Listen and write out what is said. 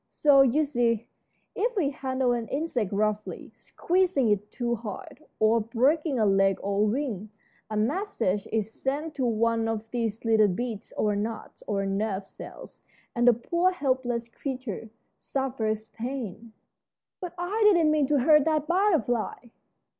So, you see, if we handle an insect roughly, squeezing it too hard, or breaking a leg or a wing, a message is sent to one of these little beads or knots or nerve cells, and the poor, helpless creature suffers pain." "But I didn't mean to hurt that butterfly!"